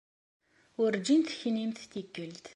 Urǧin teknimt tikkelt.